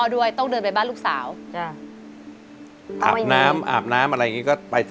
ด้วยต้องเดินไปบ้านลูกสาวจ้ะอาบน้ำอาบน้ำอะไรอย่างงี้ก็ไป